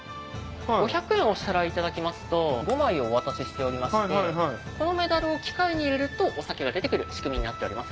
５００円お支払いいただきますと５枚をお渡ししておりましてこのメダルを機械に入れるとお酒が出て来る仕組みになっております。